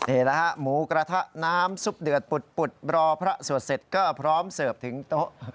นี่แหละฮะหมูกระทะน้ำซุปเดือดปุดรอพระสวดเสร็จก็พร้อมเสิร์ฟถึงโต๊ะ